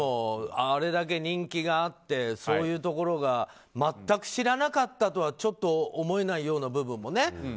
あれだけ人気があってそういうところが全く知らなかったとはちょっと思えないような部分も。